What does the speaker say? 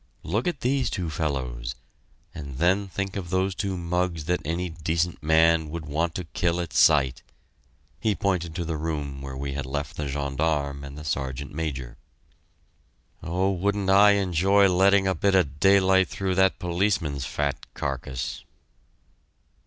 "Look at these two fellows and then think of those two mugs that any decent man would want to kill at sight!" He pointed to the room where we had left the gendarme and the Sergeant Major. "Oh wouldn't I enjoy letting a bit of daylight through that policeman's fat carcass!"